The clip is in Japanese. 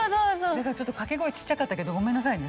だからちょっと掛け声ちっちゃかったけどごめんなさいね。